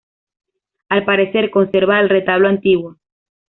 Al parecer, conserva el retablo antiguo.